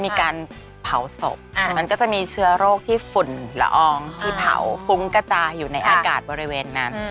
มีการเผาศพมันก็จะมีเชื้อโรคที่ฝุ่นละอองที่เผาฟุ้งกระจายอยู่ในอากาศบริเวณนั้น